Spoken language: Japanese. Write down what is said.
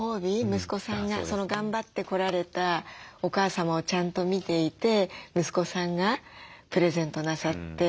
息子さんが頑張ってこられたお母様をちゃんと見ていて息子さんがプレゼントなさって。